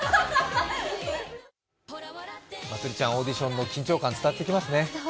まつりちゃん、オーディションの緊張感伝わってきますね。